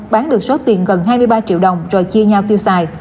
bán được số tiền gần hai mươi ba triệu đồng rồi chia nhau tiêu xài